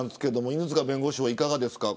犬塚弁護士はどうですか。